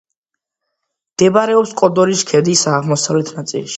მდებარეობს კოდორის ქედის აღმოსავლეთ ნაწილში.